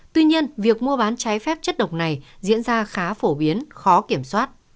tuy nhiên việc mua bán trái phép chất độc này diễn ra khá phổ biến khó kiểm soát